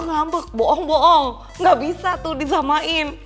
gak bisa tuh disamain